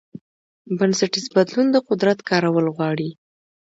بنسټیز بدلون د قدرت کارول غواړي.